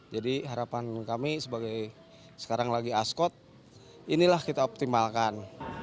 jadi harapan kami sebagai sekarang lagi askot inilah kita optimalkan